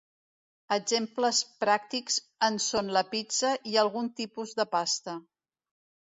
Exemples pràctics en són la pizza i algun tipus de pasta.